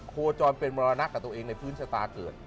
โคจรเป็นมรณะกับตัวเองในพื้นชะตาเกิด